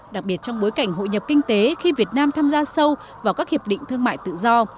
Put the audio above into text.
đặc biệt trong bối cảnh hội nhập kinh tế khi việt nam tham gia sâu vào các hiệp định thương mại tự do